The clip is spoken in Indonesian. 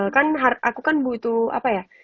kan aku kan butuh apa ya